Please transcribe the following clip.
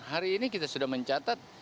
hari ini kita sudah mencatat